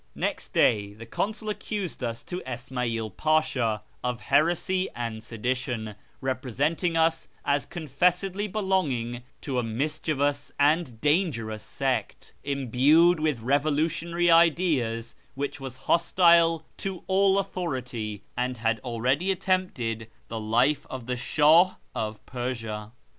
Next day the consul accused us to Isma'il Pasha of heresy and sedition, representing us as confessedly belonging to a mischievous and dangerous sect, , imbued with revolutionary ideas, which was hostile to all ' authority, and had already attempted the life of the Shah of Persia.